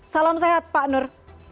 salam sehat pak nur